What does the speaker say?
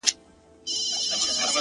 o چي محبت يې زړه كي ځاى پـيـدا كـړو؛